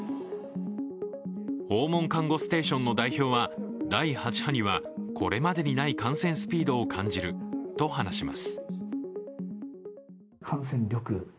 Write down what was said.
訪問看護ステーションの代表は、第８波にはこれまでにない感染スピードを感じると話します。